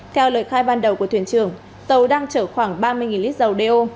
theo lời khai ban đầu của thuyền trưởng tàu đang chở khoảng ba mươi lít dầu đeo